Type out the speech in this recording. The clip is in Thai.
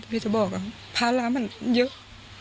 พี่จะบอกภาระมันเยอะ